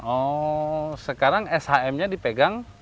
oh sekarang shm nya dipegang